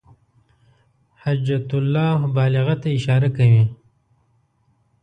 حجة الله البالغة ته اشاره کوي.